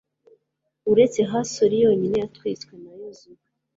uretse hasori yonyine yatwitswe na yozuwe